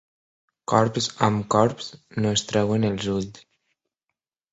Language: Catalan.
Corbs amb corbs no es treuen els ulls.